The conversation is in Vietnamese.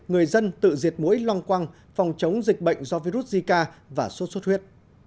người dân tự diệt mũi loang quăng phòng chống dịch bệnh do virus zika và sốt xuất huyết